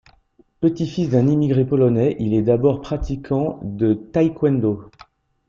Petit-fils d'un immigré polonais, il est d'abord pratiquant de taekwondo.